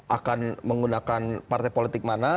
akan menggunakan partai politik mana